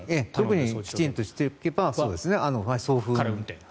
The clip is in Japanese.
きちんとしておけば。